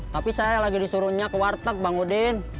tapi saya lagi disuruhnya ke warteg bang udin